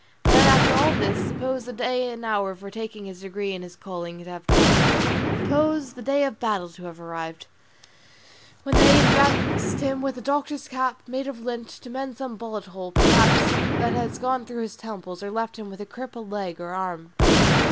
Then, after all this, suppose the day and hour for taking his degree in his calling to have come; suppose the day of battle to have arrived, when they invest him with the doctor's cap made of lint, to mend some bullet hole, perhaps, that has gone through his temples, or left him with a crippled arm or leg.